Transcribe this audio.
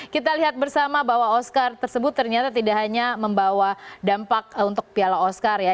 kita lihat bersama bahwa oscar tersebut ternyata tidak hanya membawa dampak untuk piala oscar ya